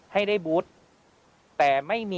ให้ได้บุ๊ช